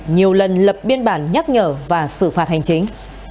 nhiều lần lập biên bản nhắc nhở và xử phạt hành chính